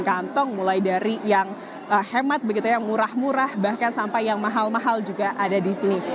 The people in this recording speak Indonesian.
kantong mulai dari yang hemat begitu yang murah murah bahkan sampai yang mahal mahal juga ada di sini